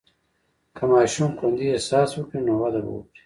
که ماشوم خوندي احساس وکړي، نو وده به وکړي.